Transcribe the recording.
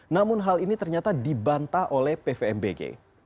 namun hal ini ternyata dibantah oleh pvmbg